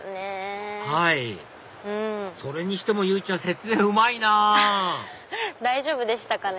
はいそれにしても由依ちゃん説明うまいなぁ大丈夫でしたかね？